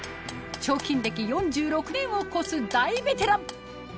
彫金歴４６年を超す大ベテラン